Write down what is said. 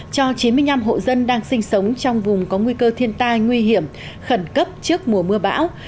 cho chín mươi năm hộ dân đang sinh sống trong vùng có nguy cơ thiên tai nguy hiểm khẩn cấp trước mùa mưa bão